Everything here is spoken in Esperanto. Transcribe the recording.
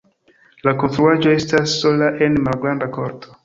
La konstruaĵo situas sola en malgranda korto.